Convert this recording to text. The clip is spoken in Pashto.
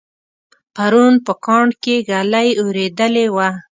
پرون په کاڼ کې ږلۍ اورېدلې وه